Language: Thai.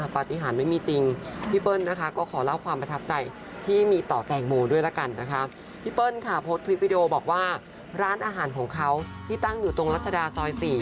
แปลงโมบอกว่าร้านอาหารของเขาที่ตั้งอยู่ตรงรัชดาซอย๔